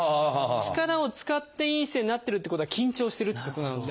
力を使っていい姿勢になってるってことは緊張してるっていうことなので。